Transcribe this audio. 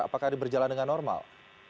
apakah ini berjalan dengan normal